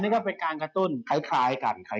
ก็เป็นการกระตุ้นใครที่ใครกัน